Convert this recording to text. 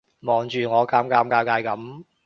望住我尷尷尬尬噉